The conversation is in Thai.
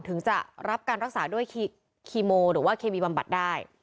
ถึงจะรับการรักษาด้วยคีโมหรือว่าเคมีบำบัดได้